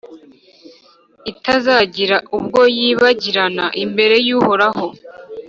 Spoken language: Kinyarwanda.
itazagira ubwo yibagirana imbere y’Uhoraho.